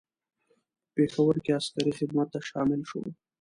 په پېښور کې عسکري خدمت ته شامل شو.